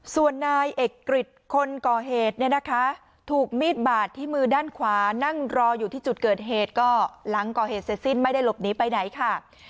ส่วนนายเอกกริจคนก่อเหตุเนี่ยนะคะถูกมีดบาดที่มือด้านขวานั่งรออยู่ที่จุดเกิดเหตุก็หลังก่อเหตุเสร็จสิ้นไม่ได้หลบหนีไปไหนค่ะ